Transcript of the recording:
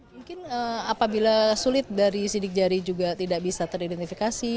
mungkin apabila sulit dari sidik jari juga tidak bisa teridentifikasi